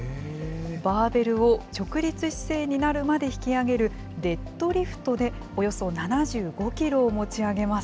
バーベルを直立姿勢になるまで引き上げる、デッドリフトでおよそ７５キロを持ち上げます。